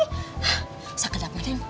hah saya ke depan neng